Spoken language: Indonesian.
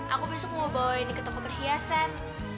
aku besok mau bawa ini ke toko perhiasan